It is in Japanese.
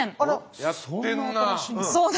やってんな。